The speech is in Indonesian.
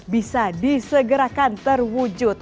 bisa disegerakan terwujud